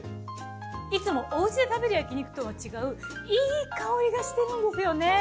いつもお家で食べる焼き肉とは違ういい香りがしてるんですよね。